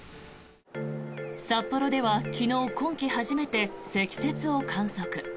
札幌では昨日今季初めて積雪を観測。